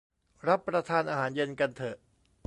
รับประทานอาหารเย็นกันเถอะ